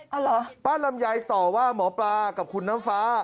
เอาเหรอป้าลำไยต่อว่าหมอปลากับคุณน้ำฟ้า